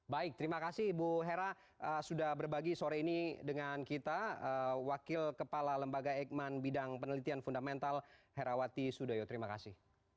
baik terima kasih ibu hera sudah berbagi sore ini dengan kita wakil kepala lembaga eijkman bidang penelitian fundamental herawati sudoyo terima kasih